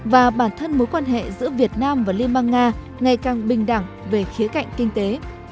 và bản thân mối quan hệ giữa việt nam và liên bang nga ngày càng bình đẳng về khía cạnh kinh tế